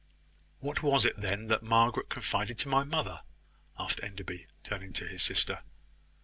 "What was it then that Margaret confided to my mother?" asked Enderby, turning to his sister.